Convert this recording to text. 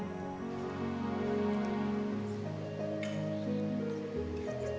jangan lupa jodoh arum